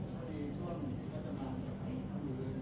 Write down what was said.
ให้คำถามขอบคุณครับ